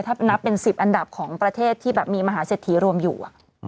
ถ้านับเป็น๑๐อันดับของประเทศที่แบบมีมหาเศรษฐีรวมอยู่